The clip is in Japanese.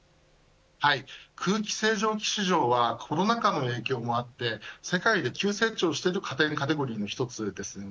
空気清浄機市場はコロナ禍の影響もあって世界で急成長している家電カテゴリーの一つです。